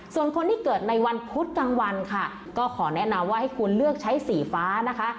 ส่วนคนที่เกิดในวันพุธกลางวันค่ะก็ขอแนะนำว่าให้คุณเลือกใช้สีฟ้านะคะ